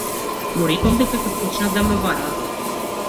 Му реков дека ќе почнат да ме бараат.